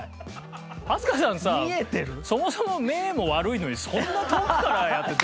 飛鳥さんさそもそも目も悪いのにそんな遠くからやってどうするの？